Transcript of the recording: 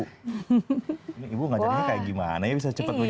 ini ibu ngajarin kayak gimana ya bisa cepet begitu